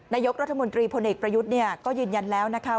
นายกรัฐมนตรีพลเอกประยุทธ์ก็ยืนยันแล้วนะคะ